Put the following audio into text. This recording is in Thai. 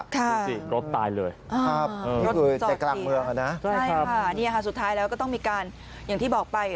ครับรถจอดดีนะใช่ค่ะนี่สุดท้ายแล้วก็ต้องมีการอย่างที่บอกไป